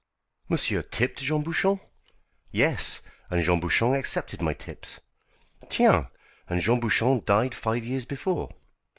"Monsieur tipped Jean Bouchon?" "Yes, and Jean Bouchon accepted my tips." "Tiens, and Jean Bouchon died five years before."